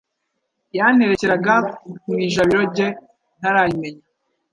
Yanterekeraga mu ijabiro ge ntarayimenya